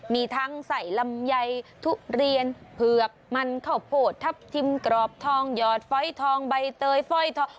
มีทั้งใส่ลำไยทุเรียนเผือกมันข้าวโพดทับทิมกรอบทองหยอดฟ้อยทองใบเตยฟ้อยทอง